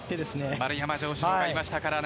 丸山城志郎がいましたからね。